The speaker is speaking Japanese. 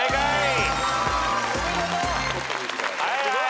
はい。